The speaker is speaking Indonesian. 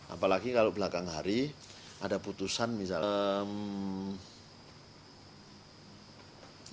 apalagi kalau belakang hari ada putusan misalnya